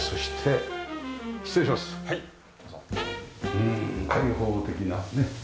うん開放的なね。